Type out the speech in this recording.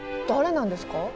誰なんですか？